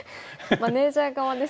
マネージャー側ですか。